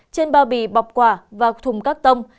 trên bao bì bọc quả và thùng các tông